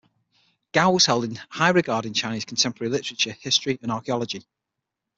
Guo was held in high regard in Chinese contemporary literature, history and archaeology.